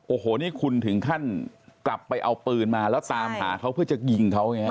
โอ้โหนี่คุณถึงขั้นกลับไปเอาปืนมาแล้วตามหาเขาเพื่อจะยิงเขาไงฮะ